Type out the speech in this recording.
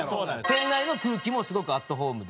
店内の空気もすごくアットホームで。